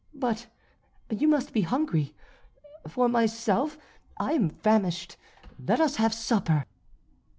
But you must be hungry, for myself, I am famished; let us have supper."